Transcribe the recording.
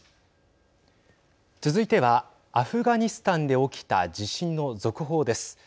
続いてはアフガニスタンで起きた地震の続報です。